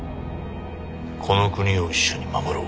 この国を一緒に守ろう。